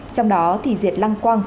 trong đó thì diệt lăng quang